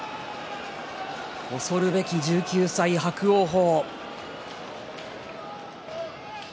恐るべき１９歳、伯桜鵬。